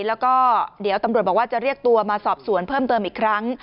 แล้วก็เดี๋ยวตำรวจบอกว่าจะเรียกตัวมาสอบสวนเพิ่มเติมอีกครั้ง